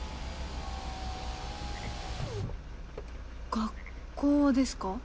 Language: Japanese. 学校ですか？